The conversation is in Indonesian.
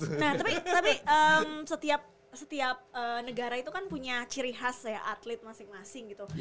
nah tapi setiap negara itu kan punya ciri khas ya atlet masing masing gitu